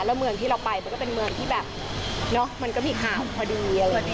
แล้วเมืองที่เราไปมันก็เป็นเมืองที่แบบเนาะมันก็มีข่าวพอดีอะไรอย่างนี้